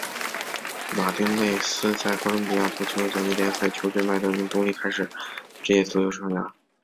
马丁内斯在哥伦比亚足球甲级联赛球队麦德林独立开始职业足球生涯。